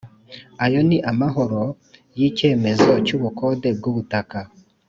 ayo ni amahoro y’icyemezo cy’ubukode bw’ubutaka